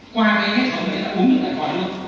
qua cái hết ông ấy đã uống được đại quái luôn